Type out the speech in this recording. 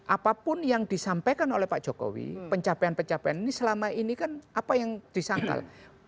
apapun yang disampaikan oleh pak jokowi pencapaian pencapaian ini selama ini kan apa yang disangkal